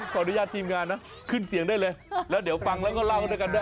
ขออนุญาตทีมงานนะขึ้นเสียงได้เลยแล้วเดี๋ยวฟังแล้วก็เล่าด้วยกันด้วย